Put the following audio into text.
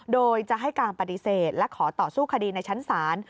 โดยจะให้การปฏิเสธและขอต่อสู้คดีในชั้นศาล